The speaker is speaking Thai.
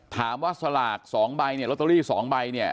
ถามว่าสลาก๒ใบที่ลดเตอรี่๒ใบเนี่ย